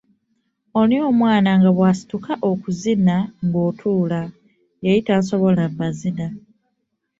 Oli omwana nga bw’asituka okuzina ng’otuula! yali tasobola mu mazina.